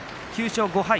９勝５敗。